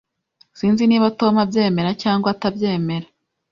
Sinzi niba Tom abyemera cyangwa atabyemera.